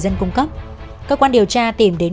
dân cung cấp các quan điều tra tìm đến